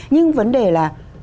nhưng vấn đề là